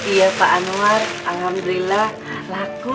iya pak anwar alhamdulillah laku